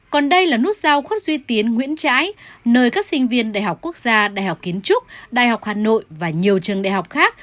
còn đây là nút giao khuất duy tiến nguyễn trãi nơi các sinh viên đại học quốc gia đại học kiến trúc đại học hà nội và nhiều trường đại học khác